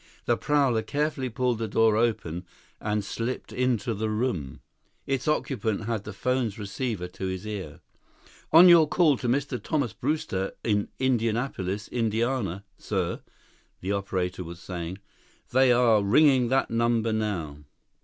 The prowler carefully pulled the door open and slipped into the room. Its occupant had the phone's receiver to his ear. "On your call to Mr. Thomas Brewster in Indianapolis, Indiana, sir," the operator was saying, "they are ringing that number now."